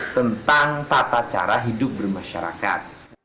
tentang tata cara hidup bermasyarakat